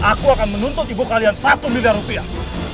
aku akan menuntut ibu kalian satu miliar rupiah